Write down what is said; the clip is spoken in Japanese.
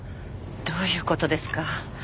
どういうことですか？